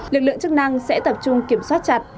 lực lượng chức năng sẽ tập trung kiểm soát chặt